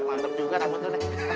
mantep juga temen lo deh